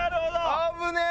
危ねえ！